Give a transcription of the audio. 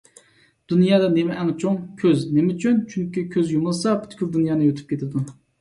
_ دۇنيادا نېمە ئەڭ چوڭ؟ _ كۆز. _ نېمە ئۈچۈن؟ _ چۈنكى كۆز يۇمۇلسا، پۈتكۈل دۇنيانى يۇتۇپ كېتىدۇ